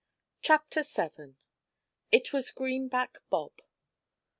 CHAPTER VII. 'IT WAS GREENBACK BOB.'